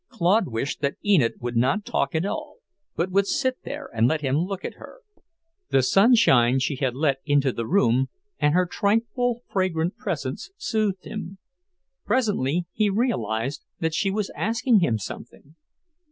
Claude wished that Enid would not talk at all, but would sit there and let him look at her. The sunshine she had let into the room, and her tranquil, fragrant presence, soothed him. Presently he realized that she was asking him something.